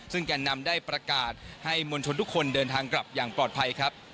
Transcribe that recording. ซึ่งแก่นำได้ประกาศให้มวลชนทุกคนเดินทางกลับอย่างปลอดภัยครับ